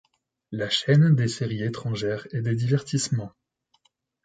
La chaîne des séries étrangères et des divertissements.